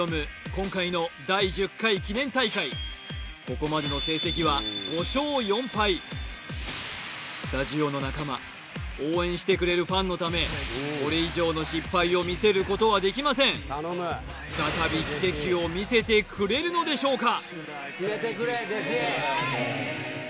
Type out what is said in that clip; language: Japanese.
今回の第１０回記念大会スタジオの仲間応援してくれるファンのためこれ以上の失敗を見せることはできません再び奇跡を見せてくれるのでしょうか？